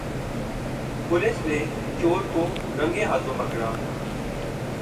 police نے چور کو رنگے ہاتھوں پکڑا